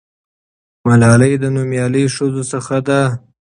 ملالۍ د نومیالۍ ښځو څخه ده.